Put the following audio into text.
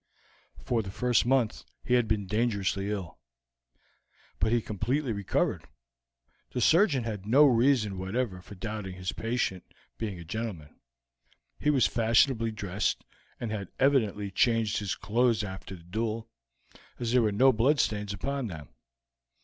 "For the first month he had been dangerously ill, but he completely recovered. The surgeon had no reason whatever for doubting his patient being a gentleman; he was fashionably dressed, and had evidently changed his clothes after the duel, as there were no bloodstains upon them.